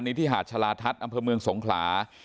ที่หาดชาลาทัศน์อำเภอเมืองสงขลา